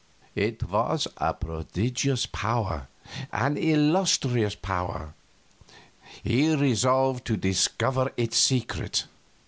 It was a prodigious power, an illustrious power; he resolved to discover its secret.